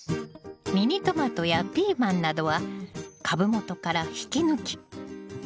ミニトマトやピーマンなどは株元から引き抜き。